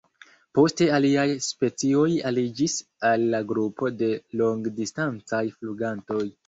Poste aliaj specioj aliĝis al la grupo de longdistancaj flugantoj.